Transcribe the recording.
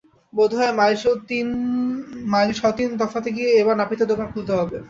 বোধ হয় মাইল শ-তিন তফাতে গিয়ে এবার নাপিতের দোকান খুলতে হবে।